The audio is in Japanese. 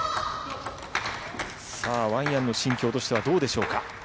さあ、ワン・ヤンの心境としてはどうでしょうか。